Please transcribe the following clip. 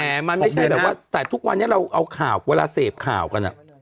แต่มันไม่ใช่แบบว่าแต่ทุกวันนี้เราเอาข่าวเวลาเสพข่าวกัน